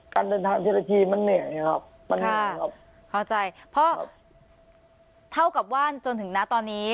การเดินทางทีละทีมันเหนื่อยครับมันเหนื่อยครับเข้าใจเพราะเท่ากับว่าจนถึงนะตอนนี้